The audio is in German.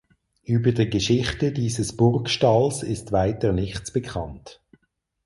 Über die Geschichte dieses Burgstalls ist weiter nichts bekannt.